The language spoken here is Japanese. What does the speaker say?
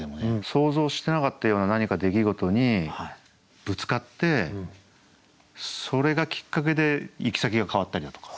想像してなかったような何か出来事にぶつかってそれがきっかけで行き先が変わったりだとか。